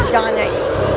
aku sudah berjanji